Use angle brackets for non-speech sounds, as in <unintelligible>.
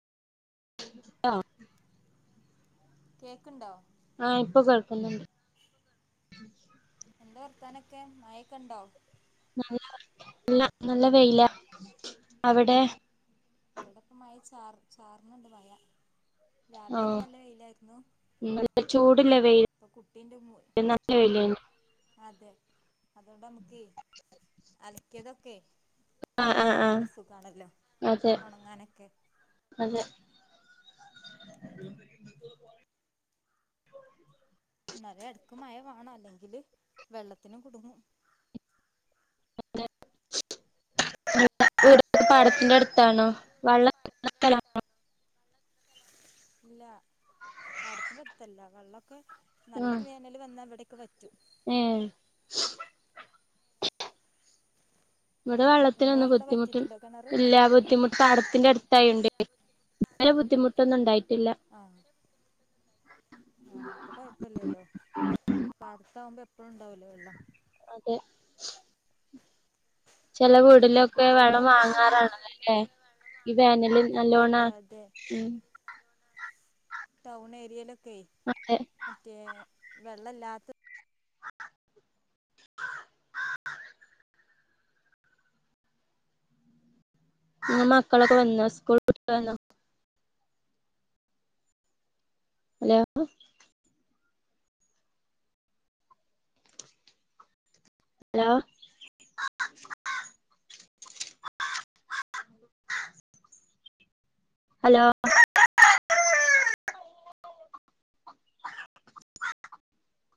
ആഹ് കേക്ക്ണ്ടോ ആഹ് ഇപ്പ കേൾക്ക്ന്ന്ണ്ട് എന്താ വർത്താനൊക്കെ മയേക്കണ്ടോ നല്ല ല്ല നല്ല വെയിലാ അവടെ ഇവടെപ്പം മഴ ചാർ ചാർന്ണ്ട് മയ ഓ രാവിലെക്കെ നല്ല വെയിലാര്ന്നു നല്ല ചൂട്ല്ല വെയ് പ്പൊ കുട്ടീന്റെ മുയ് അതെ അതോണ്ടമ്മക്കയ് അലക്ക്യേതൊക്കെ ആഹ് ആഹ് താക്കാ ആഹ് നല്ല സുഖാണല്ലോ അതെ ഒണങ്ങാനെക്കെ അതെ ന്നാലു എട്ക്ക് മയ വാണഅല്ലെങ്കില് വെള്ളത്തിനും കുടുങ്ങും <unintelligible> പാടത്തിന്റെ അട്ത്താണോ വള്ളം <unintelligible> ആണോ ഇല്ല പാടത്തിന്റെ അട്ത്തല്ല വള്ളോക്കെ ആഹ് നല്ല വേ ന്നല് വന്നാൽ ഇവിടേക്ക് വറ്റും ഏഹ് ഇവിടെ വെള്ളത്തിനൊന്നും നിങ്ങളവിടെ ബുദ്ധിമുട്ട് വറ്റിയിട്ടുണ്ടോ കിണറ് ഇല്ല ബുദ്ധിമുട്ട് പാടത്തിന്റെ അട്ത്തായോണ്ടേ ആഹ് ആഹ് അപ്പൊ കൊയപ്പല്യല്ലോ പാടത്താവുമ്പഎപ്പഴുണ്ടാവൊല്ലോ വെള്ളം അതെ ചെല വീട്ലൊക്കെ കുട്ടികളൊക്കെ വെള്ളം എന്താ ചെയ്യുന്നേ വാങ്ങാറാണല്ലോല്ലേ ഇവേനലിൽ നല്ലോണ ഉം ട്ടൗണേരിയലൊക്കെയ് അതെ മറ്റേ വെള്ളല്ലാത്ത ആ ഇങ്ങ മക്കളൊക്കെ വന്നോ സ്കൂൾ വിട്ട് വന്നോ ഹലോ അലോ ഹലോ